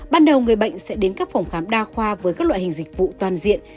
ban đầu người bệnh sẽ đến các phòng khám đa khoa với các loại hình dịch vụ toàn diện